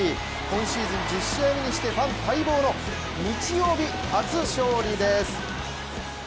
今シーズン１０試合目にしてファン待望の日曜日初勝利です。